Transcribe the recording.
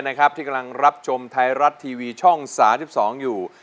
ที่กำลังรับชมไทยรัฐทีวีช่อง๓๒อยู่